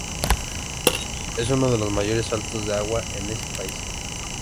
Es uno de los mayores saltos de agua en ese país.